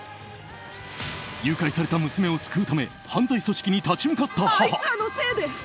誘拐された娘を救うため犯罪組織に立ち向かった母。